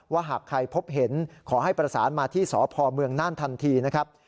หากใครพบเห็นขอให้ประสานมาที่สพเมืองน่านทันทีนะครับ